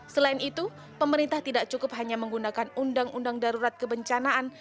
selain itu pemerintah tidak cukup hanya menggunakan undang undang darurat kebencanaan